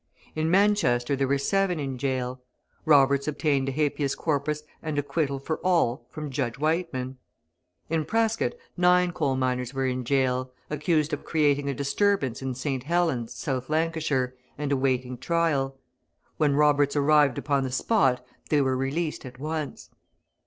In Manchester there were seven in jail; Roberts obtained a habeas corpus and acquittal for all from Judge Wightman. In Prescott nine coal miners were in jail, accused of creating a disturbance in St. Helen's, South Lancashire, and awaiting trial; when Roberts arrived upon the spot, they were released at once.